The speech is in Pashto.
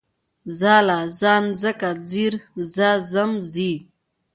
ځاله، ځان، ځکه، ځير، ځه، ځم، ځي